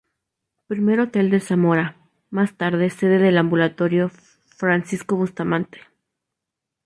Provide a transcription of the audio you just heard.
Primer hotel de Zamora, más tarde sede del ambulatorio "Francisco Bustamante".